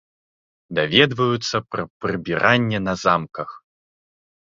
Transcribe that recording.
Даведваюцца пра прыбіранне на замках.